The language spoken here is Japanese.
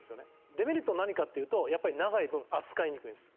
デメリットは何かっていうとやっぱり長い分扱いにくいんです。